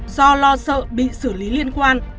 do lo sợ bị xử lý liên quan